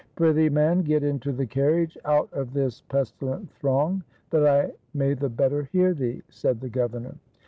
"Prithee, man, get into the carriage, out of this pesti lent throng, that I may the better hear thee," said the governor.